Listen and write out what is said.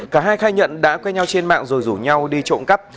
cả hai khai nhận đã quen nhau trên mạng rồi rủ nhau đi trộm cắp